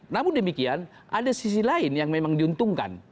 namun demikian ada sisi lain yang memang diuntungkan